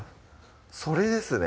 それですね